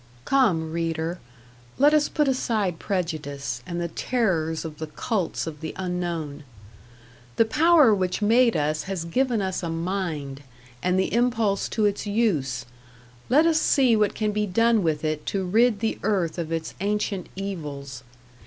Come, reader, let us put aside prejudice, and the terrors of the cults of the unknown. The power which made us has given us a mind, and the impulse to its use; let us see what can be done with it to rid the earth of its ancient evils.